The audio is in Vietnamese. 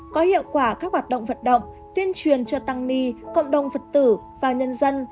có hiệu quả các hoạt động vận động tuyên truyền cho tăng ni cộng đồng phật tử và nhân dân